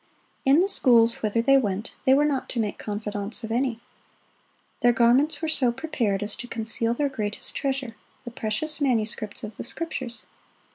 In the schools whither they went, they were not to make confidants of any. Their garments were so prepared as to conceal their greatest treasure,—the precious manuscripts of the Scriptures.